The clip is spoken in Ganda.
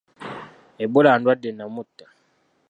Ebola ndwadde nnamutta.